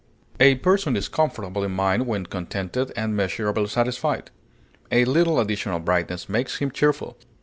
A person is comfortable in mind when contented and measurably satisfied. A little additional brightness makes him cheerful.